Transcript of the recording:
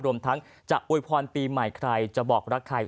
รวมทั้งจะอวยพรปีใหม่ใครจะบอกรักใคร